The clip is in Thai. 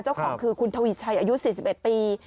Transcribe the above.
เจ้าของคือคุณทวีชัยอายุ๔๑ปี